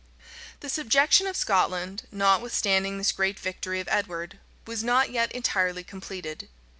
{1299.} The subjection of Scotland, notwithstanding this great victory of Edward, was not yet entirely completed.